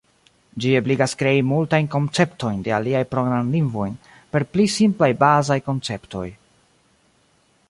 Ĝi ebligas krei multajn konceptojn de aliaj programlingvoj per pli simplaj kaj bazaj konceptoj.